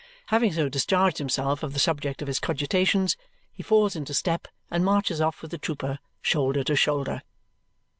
Having so discharged himself of the subject of his cogitations, he falls into step and marches off with the trooper, shoulder to shoulder.